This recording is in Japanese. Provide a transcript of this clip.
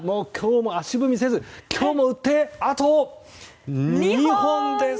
足踏みせず今日も打って、あと２本です！